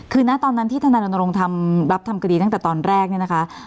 คือนะตอนนั้นที่ธนายรณรงค์รับทำคดีตั้งแต่ตอนแรกเนี่ยนะคะ